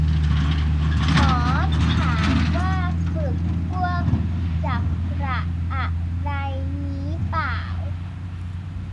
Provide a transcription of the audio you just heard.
หมอถามว่าฝึกพวกจักระอะไรงี้ป่าว